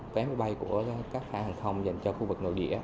phép bay của các khách hàng hàng không dành cho khu vực nội địa